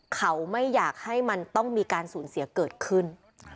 เขาไม่อยากให้มันต้องมีการสูญเสียเกิดขึ้น